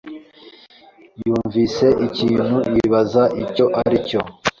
yumvise ikintu yibaza icyo aricyo.